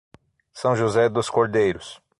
São José dos Cordeiros